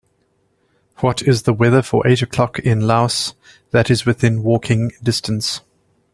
What is the weather for eight o'clock in Laos that is within walking distance